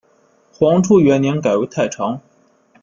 黄初元年改为太常。